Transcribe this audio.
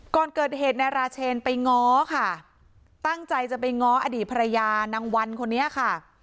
ก่อนเกิดเหตุนายราเชนไปง้อค่ะตั้งใจจะไปง้ออดีตภรรยานางวันคนนี้ค่ะ